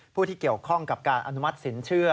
ผู้ที่เกี่ยวข้องกับการอนุมัติสินเชื่อ